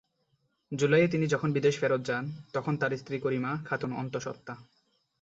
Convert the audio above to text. জুলাইয়ে তিনি যখন বিদেশে ফেরত যান, তখন তাঁর স্ত্রী করিমা খাতুন অন্তঃসত্ত্বা।